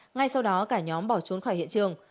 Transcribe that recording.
ngay sau đó cả nhóm bỏ trốn khỏi hiện trường